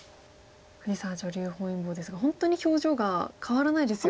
藤沢女流本因坊ですが本当に表情が変わらないですよね。